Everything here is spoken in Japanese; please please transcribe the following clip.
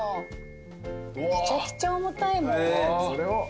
めちゃくちゃ重たいもん。